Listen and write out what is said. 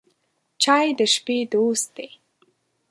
چای د شپې دوست دی.